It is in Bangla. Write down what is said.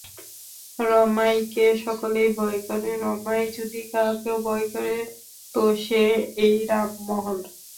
রমাইকে সকলেই ভয় করে, রমাই যদি কাহাকেও ভয় করে তো সে এই রামমোহন।